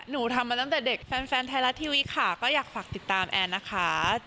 หนูทำมาตั้งแต่เด็กแฟนไทยรัฐทีวีค่ะก็อยากฝากติดตามแอนนะคะ